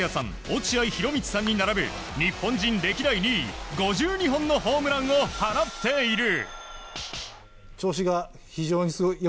落合博満さんに並ぶ日本人歴代２位、５２本のホームランを放っている。